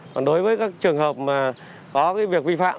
còn đối với các trường hợp mà có việc vi phạm